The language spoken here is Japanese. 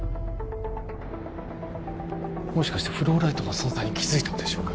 もしかしてフローライトの存在に気づいたのでしょうか？